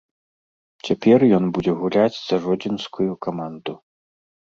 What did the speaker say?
Цяпер ён будзе гуляць за жодзінскую каманду.